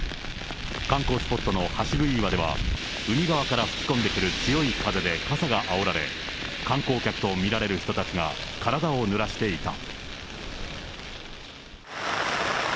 観光スポットの橋杭岩では、海側から吹き込んでくる強い風で傘があおられ、観光客と見られる人たちが体をぬらしていた。